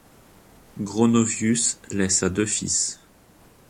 Gronovius laissa deux fils.